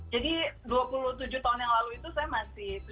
jadi dua puluh tujuh tahun yang lalu itu saya masih tujuh belas